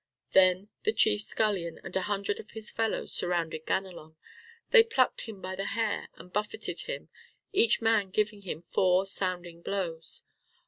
Then the chief scullion and a hundred of his fellows surrounded Ganelon. They plucked him by the hair and buffeted him, each man giving him four sounding blows.